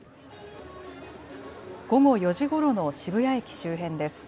午後４時ごろの渋谷駅周辺です。